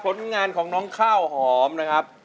ผลงานของน้องข้าวหอมนะครับ